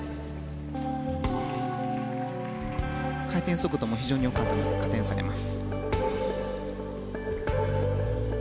回転速度も非常に良かったので加点されます。